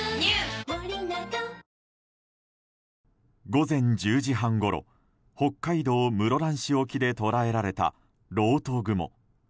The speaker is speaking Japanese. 午前１０時半ごろ北海道室蘭市沖で捉えられたろうと雲。